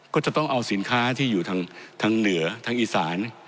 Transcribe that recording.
ก็จะต้องเอาสินค้าที่อยู่ทางเหนือทางอีสาน